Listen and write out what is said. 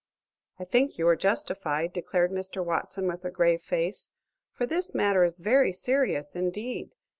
"I think you were justified," declared Mr. Watson, with a grave face; "for this matter is very serious indeed.